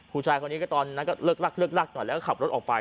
ผู้ชายคนนี้ก็ตอนนั้นก็เลิกลักเลิกลักหน่อยแล้วก็ขับรถออกไป